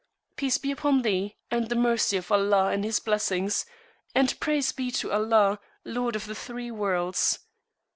Peace be upon Thee, and the Mercy of Allah and His Blessing, and Praise be to Allah, Lord of the (three) Worlds!